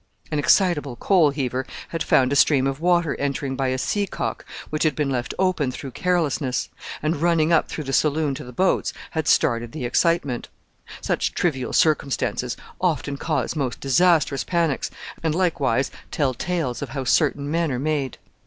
An excitable coal heaver had found a stream of water entering by a sea cock, which had been left open through carelessness; and, running up through the saloon to the boats, had started the excitement. Such trivial circumstances often cause most disastrous panics; and likewise tell tales of how certain men are made!